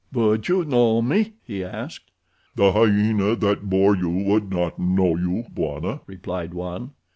"Would you know me?" he asked. "The hyena that bore you would not know you, Bwana," replied one.